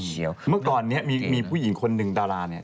เมื่อก่อนมีผู้หญิงคนนึงดาราไหน